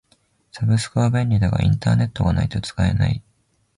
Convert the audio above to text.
サブスクは便利だがインターネットがないと使えない。